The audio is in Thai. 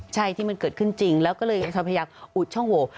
ใช่ที่มันเกิดขึ้นจริงแล้วก็เลยยังสภาพยักษณ์อุดช่องโหว